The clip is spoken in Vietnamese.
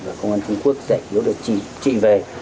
và công an trung quốc giải cứu đợt chị về